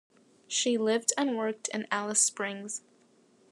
She lived and worked in Alice Springs.